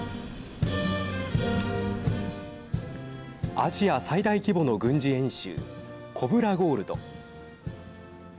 アジア最大規模の軍事演習コブラ・ゴールド。